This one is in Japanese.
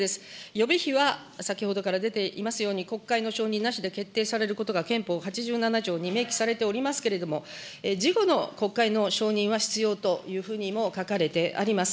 予備費は先ほどから出ていますように、国会の承認なしで決定されることが憲法８７条に明記されておりますけれども、事後の国会の承認は必要というふうにも書かれてあります。